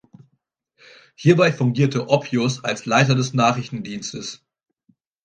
Hierbei fungierte Oppius als Leiter des Nachrichtendienstes.